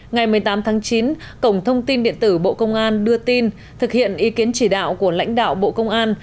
ngày một mươi tám tháng chín cổng thông tin điện tử bộ công an đưa tin thực hiện ý kiến chỉ đạo của lãnh đạo bộ công an